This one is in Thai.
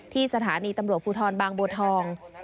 ที่สถานีตำรวจภูทรบางบัวทอง